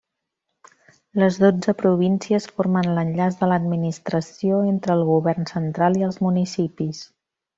Les dotze províncies formen l'enllaç de l'administració entre el govern central i els municipis.